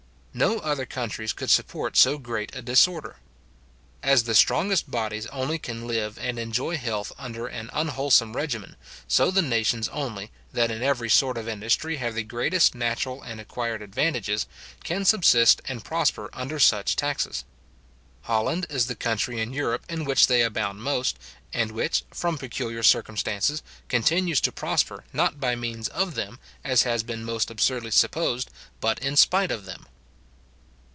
No other countries could support so great a disorder. As the strongest bodies only can live and enjoy health under an unwholesome regimen, so the nations only, that in every sort of industry have the greatest natural and acquired advantages, can subsist and prosper under such taxes. Holland is the country in Europe in which they abound most, and which, from peculiar circumstances, continues to prosper, not by means of them, as has been most absurdly supposed, but in spite of them.